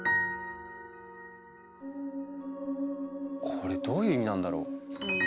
これどういう意味なんだろう？